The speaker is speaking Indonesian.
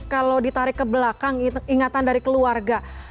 kalau ditarik ke belakang ingatan dari keluarga